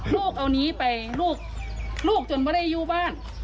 ลูกเอานี้ไปลูกจนไม่ได้อยู่บ้าน